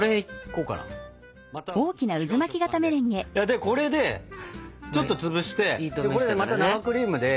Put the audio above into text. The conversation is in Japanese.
でこれでちょっと潰してまた生クリームで。